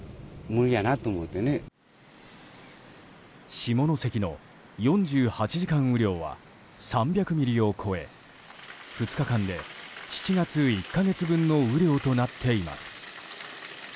下関の４８時間雨量は３００ミリを超え２日間で、７月１か月分の雨量となっています。